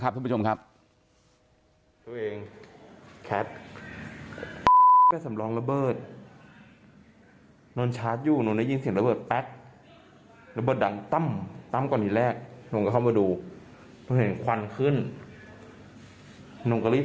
แป๊กระเบิดดังตั้มตั้มก่อนทีแรกหนูก็เข้ามาดูหนูเห็นควันขึ้นหนูก็รีบ